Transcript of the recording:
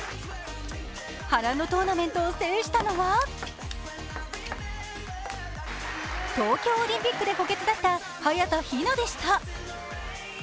波乱のトーナメントを制したのは、東京オリンピックで補欠だった早田ひなでした。